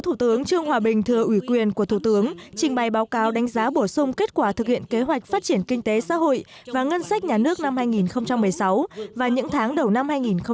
thủ tướng trương hòa bình thừa ủy quyền của thủ tướng trình bày báo cáo đánh giá bổ sung kết quả thực hiện kế hoạch phát triển kinh tế xã hội và ngân sách nhà nước năm hai nghìn một mươi sáu và những tháng đầu năm hai nghìn một mươi chín